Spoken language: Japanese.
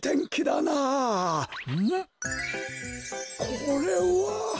これは！